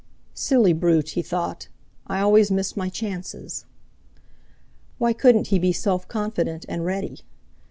'Silly brute!' he thought; 'I always miss my chances.' Why couldn't he be self confident and ready?